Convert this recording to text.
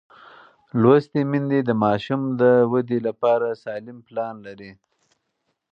لوستې میندې د ماشوم د وده لپاره سالم پلان لري.